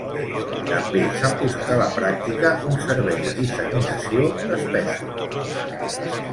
També s'han posat a la pràctica un servei de disseminació d'espècies.